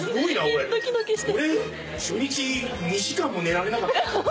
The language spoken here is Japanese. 俺初日２時間も寝られなかったよ。